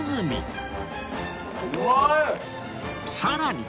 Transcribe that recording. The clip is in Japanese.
さらに